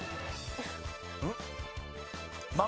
うん？